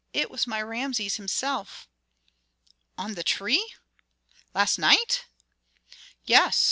"It was my Rameses himself." "On the tree? Last night?" "Yes.